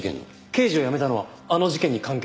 刑事を辞めたのはあの事件に関係が？